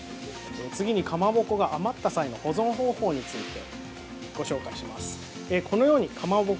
次に、かまぼこが余った際の保存方法についてご紹介します。